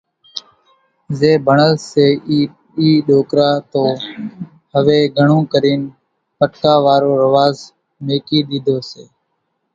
زين ڀڻل سي اِي ڏوڪرا تو هويَ گھڻون ڪرين پٽڪا وارو رواز ميڪِي ۮيڌو سي۔